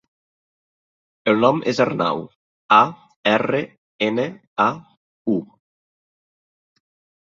El nom és Arnau: a, erra, ena, a, u.